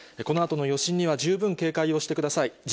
このあとの余震には、十分警戒をしてください。